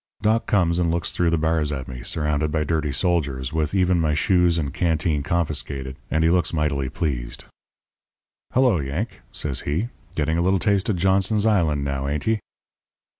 "Doc comes and looks through the bars at me, surrounded by dirty soldiers, with even my shoes and canteen confiscated, and he looks mightily pleased. "'Hello, Yank,' says he, 'getting a little taste of Johnson's Island, now, ain't ye?'